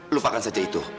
lupakan saja itu